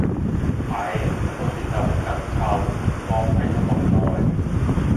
係，不過節奏好緊湊，唔覺睇咗咁耐